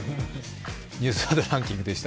「ニュースワードランキング」でした。